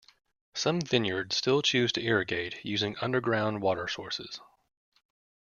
Some vineyard still choose to irrigate using underground water sources.